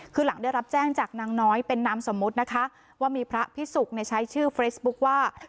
คือหลังได้รับแจ้งจากนางน้อยเป็นนามสมมุตินะคะว่ามีพระพิสุกใช้ชื่อเฟซบุ๊คว่า